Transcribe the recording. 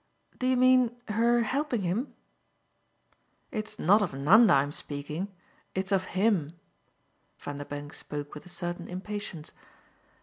"Do you mean her helping him?" "It's not of Nanda I'm speaking it's of him." Vanderbank spoke with a certain impatience.